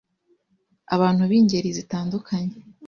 Abantu b’ingeri zitandukanye